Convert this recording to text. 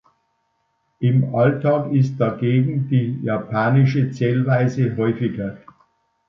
Im Alltag ist dagegen die japanische Zählweise häufiger.